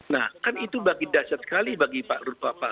nah kan itu bagi dasar sekali bagi pak rudfa